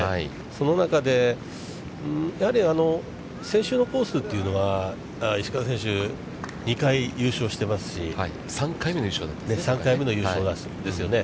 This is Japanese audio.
その中で、やはり先週のコースというのは、石川選手、２回、優勝してますし、３回目の優勝だったんですね。